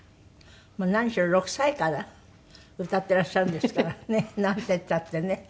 何しろ６歳から歌っていらっしゃるんですからねなんていったってね。